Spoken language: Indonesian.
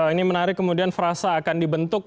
ini menarik kemudian frasa akan dibentuk